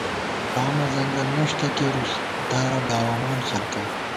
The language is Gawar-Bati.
قامہ ځنگل نَݭ تہ کېرُس دارَہ گاوَمان خَلکا